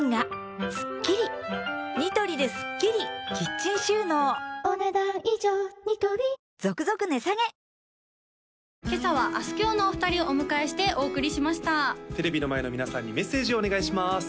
チャンネルはそのままで今朝はあすきょうのお二人をお迎えしてお送りしましたテレビの前の皆さんにメッセージをお願いします